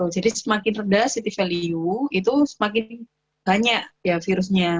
jadi semakin rendah city value itu semakin banyak virus nya